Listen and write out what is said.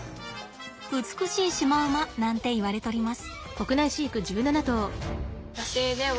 美しいシマウマなんて言われとります。